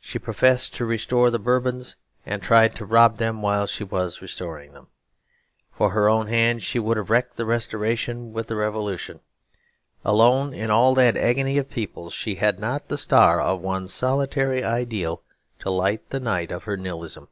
She professed to restore the Bourbons, and tried to rob them while she was restoring them. For her own hand she would have wrecked the Restoration with the Revolution. Alone in all that agony of peoples, she had not the star of one solitary ideal to light the night of her nihilism.